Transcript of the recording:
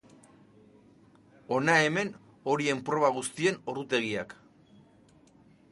Hona hemen horien proba guztien ordutegiak.